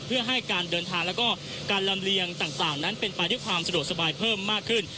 เพื่อให้การเดินทางแล้วก็การลำเลียงต่างนั้นเป็นไปด้วยความสะดวกสบายเพิ่มมากขึ้น